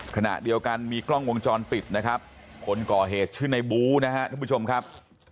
ขณะเดียวกันมีกล้องวงจรปิดนะครับคนก่อเหตุชื่อในบูนะครับทุกผู้ชมครับ